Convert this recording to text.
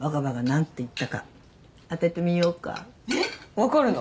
わかるの？